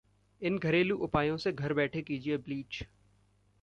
इन घरेलू उपायों से घर बैठे कीजिए ब्लीच